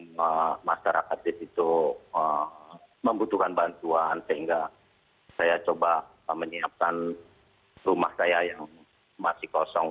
masyarakat di situ membutuhkan bantuan sehingga saya coba menyiapkan rumah saya yang masih kosong